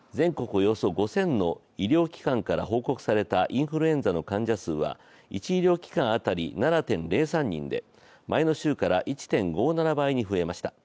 およそ５０００の医療機関から報告されたインフルエンザの患者数は１医療機関当たり７．０３人で前の週から１．５７倍に増えました。